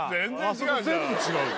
そこ全部違うよ